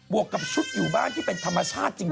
วกกับชุดอยู่บ้านที่เป็นธรรมชาติจริง